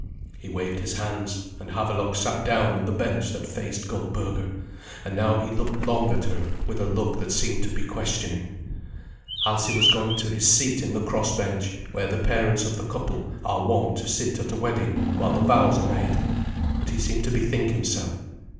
He waved his hand, and Havelok sat down on the bench that faced Goldberga; and now he looked long at her with a look that seemed to be questioning. Alsi was going to his seat in the cross bench, where the parents of the couple are wont to sit at a wedding while the vows are made, but he seemed to bethink himself.